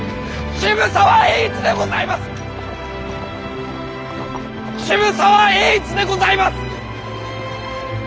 渋沢栄一でございます！